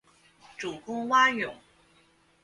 主攻蛙泳。